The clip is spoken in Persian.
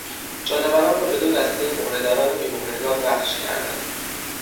جانوران را به دو دستهی مهرهداران و بیمهرگان بخش کردن